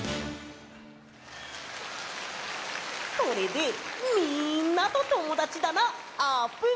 これでみんなとともだちだなあーぷん！